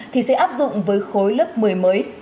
thì sẽ áp dụng với khối lớp một mươi mới